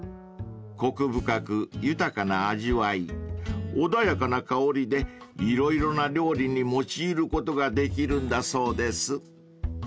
［コク深く豊かな味わい穏やかな香りで色々な料理に用いることができるんだそうです］